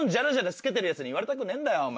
着けてるヤツに言われたくねえんだよお前。